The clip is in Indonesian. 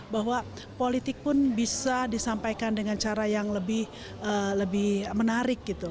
bahwa politik pun bisa disampaikan dengan cara yang lebih menarik gitu